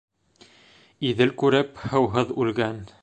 Иҙел күреп, һыуһыҙ үлгән.